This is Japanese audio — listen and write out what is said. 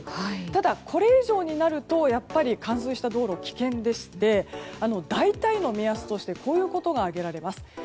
ただこれ以上になるとやっぱり冠水した道路は危険で大体の目安としてこういうことが挙げられます。